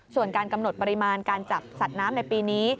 ส่วนการกำหนดปริมาณการจับสัตว์น้ำในปีนี้